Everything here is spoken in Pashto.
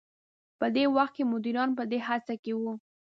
په دې وخت کې مديران په دې هڅه کې وو.